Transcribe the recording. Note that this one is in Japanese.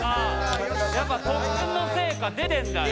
やっぱ特訓の成果出てんだよ。